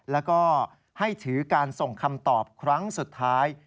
แล้วก็ให้ถือการส่งคำตอบครั้งสุดท้าย